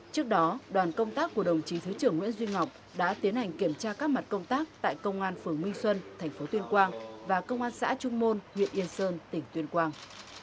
trước đó đoàn công tác của đồng chí thứ trưởng nguyễn duy ngọc đã tiến hành kiểm tra các mặt công tác tại công an phường minh xuân tp tuyên quang và công an xã trung môn huyện yên sơn tỉnh tuyên quang